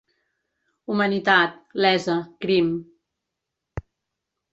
Humanitat, lesa, crim...